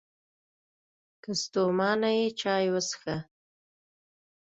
که ستومانه یې، چای وڅښه!